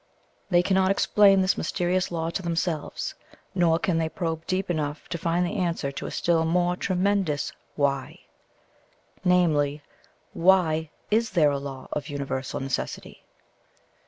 They cannot explain this mysterious Law to themselves, nor can they probe deep enough to find the answer to a still more tremendous WHY namely, WHY, is there a Law of Universal Necessity?